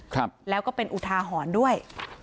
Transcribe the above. ครับแล้วก็เป็นอุทาหรณ์ด้วย